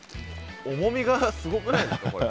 重みがすごくないですかこれ。